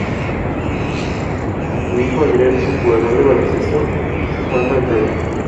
Es un aeropuerto de tamaño pequeño.